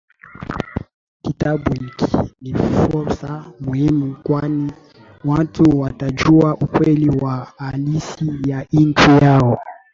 Kitabu hiki ni fursa muhimu kwani watu watajua ukweli wa halisi ya nchi yao